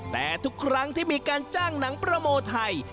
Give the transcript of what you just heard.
แต่ทุกครั้งที่มีการจ้างหนังโปรโมไทย